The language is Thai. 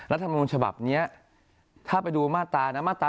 ราธรรมนุญฉบับปราบโกง